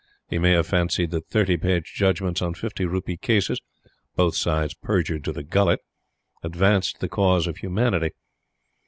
He may have fancied that thirty page judgments on fifty rupee cases both sides perjured to the gullet advanced the cause of Humanity.